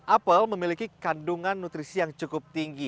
apel memiliki kandungan nutrisi yang cukup tinggi